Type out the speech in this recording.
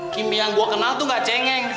kimia yang gue kenal tuh gak cengeng